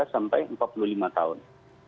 dua sampai empat puluh lima tahun